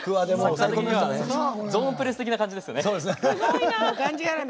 ゾーンプレス的な感じですよね。